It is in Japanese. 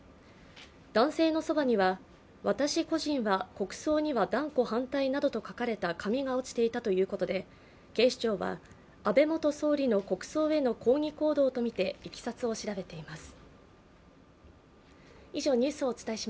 男性のそばには、「私個人は国葬には断固反対」などと書かれた紙が落ちていたということで警視庁は安倍元総理の国葬への抗議行動とみていきさつを調べています。